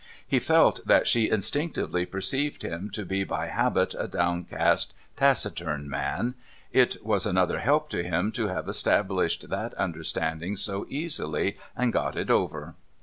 He felt that she instinctively perceived him to be by habit a down cast, taciturn man ; it was another help to him to have established that understanding so easily, and got it over.